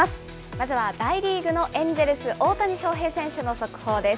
まずは大リーグのエンジェルス、大谷翔平選手の速報です。